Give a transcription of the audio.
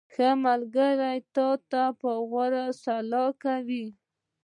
• ښه ملګری تا ته غوره سلا درکوي.